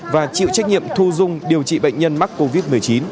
và chịu trách nhiệm thu dung điều trị bệnh nhân mắc covid một mươi chín